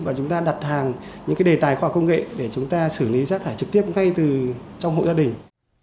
và chúng ta đặt hàng những đề tài khoa công nghệ để chúng ta xử lý giác thải trực tiếp ngay trong hộ gia đình